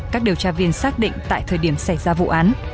các điều tra viên xác định tại thời điểm xảy ra vụ án